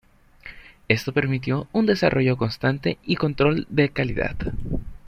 Esto permitió un desarrollo constante y el control de calidad.